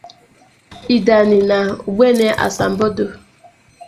Ideani na Ugbene asambodo